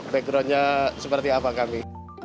backgroundnya seperti apa kami